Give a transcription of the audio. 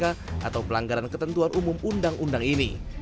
atau pelanggaran ketentuan umum undang undang ini